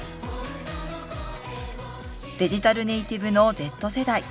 デジタルネイティブのＺ世代。